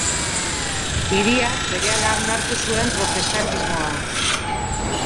Hiriak berehala onartu zuen protestantismoa.